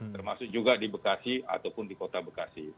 termasuk juga di bekasi ataupun di kota bekasi